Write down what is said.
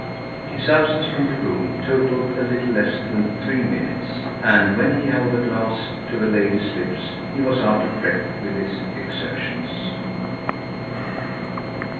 His absence from the room totalled a little less than three minutes, and when he held the glass to the lady's lips he was out of breath with his exertions.